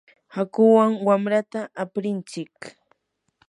hakuwan wamrata aprinchik.